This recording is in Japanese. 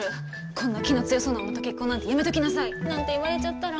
「こんな気の強そうな女と結婚なんてやめときなさい！」なんて言われちゃったら。